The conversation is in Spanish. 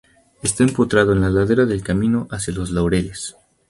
Está empotrado en la ladera del camino hacia Los Laureles.